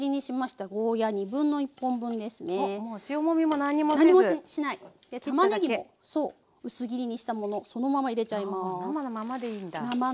たまねぎも薄切りにしたものそのまま入れちゃいます。